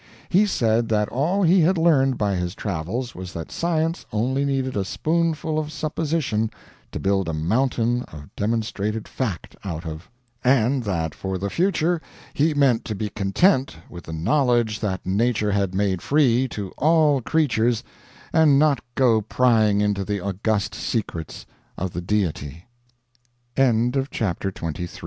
He said that all he had learned by his travels was that science only needed a spoonful of supposition to build a mountain of demonstrated fact out of; and that for the future he meant to be content with the knowledge that nature had made free to all creatures and not go prying into the august secrets of the Deity. MY LATE SENATORIAL SECRETARYSHIP [Written about 1867.]